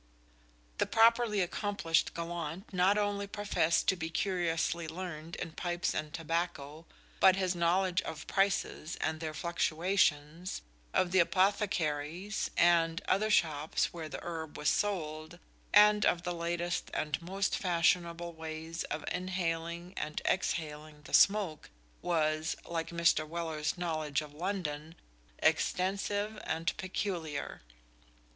The properly accomplished gallant not only professed to be curiously learned in pipes and tobacco, but his knowledge of prices and their fluctuations, of the apothecaries' and other shops where the herb was sold, and of the latest and most fashionable ways of inhaling and exhaling the smoke, was, like Mr. Weller's knowledge of London, "extensive and peculiar."